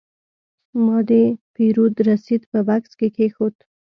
ما د پیرود رسید په بکس کې کېښود.